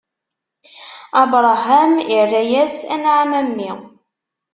Abṛaham irra-yas: Anɛam, a mmi!